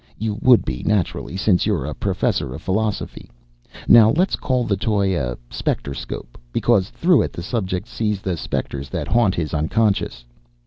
"You would be, naturally, since you're a professor of philosophy. Now, let's call the toy a specterscope, because through it the subject sees the spectres that haunt his unconscious.